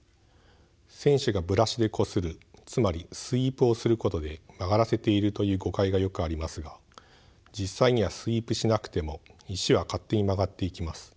選手がブラシでこするつまりスウィープをすることで曲がらせているという誤解がよくありますが実際にはスウィープしなくても石は勝手に曲がっていきます。